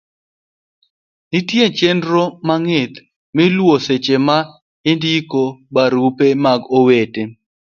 nitie chenro mong'ith miluwo seche ma indiko barupe mag owete